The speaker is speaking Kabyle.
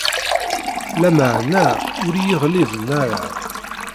Lameɛna ur iyi-ɣliben ara.